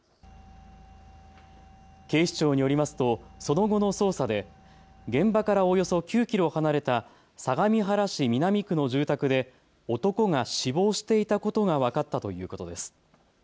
警視庁によりますとその後の捜査で現場からおよそ９キロ離れた相模原市南区の住宅で男が死亡していたことが分かったということです。